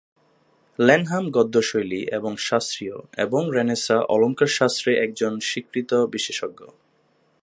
Lanham গদ্য শৈলী এবং শাস্ত্রীয় এবং রেনেসাঁ অলঙ্কারশাস্ত্রে একজন স্বীকৃত বিশেষজ্ঞ।